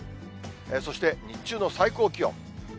そして日中の最高気温。